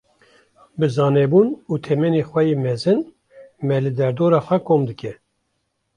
Bi zanebûn û temenê xwe yê mezin, me li derdora xwe kom dike.